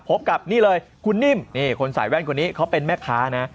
พบกับนี่เลยคุณนิ่มนี่คนใส่แว่นคนนี้เขาเป็นแม่ค้านะ